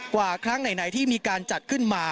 กว่าครั้งไหนที่มีการจัดขึ้นมา